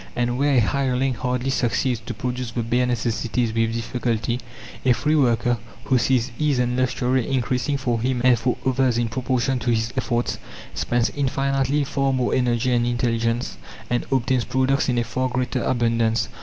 And where a hireling hardly succeeds to produce the bare necessities with difficulty, a free worker, who sees ease and luxury increasing for him and for others in proportion to his efforts, spends infinitely far more energy and intelligence, and obtains products in a far greater abundance.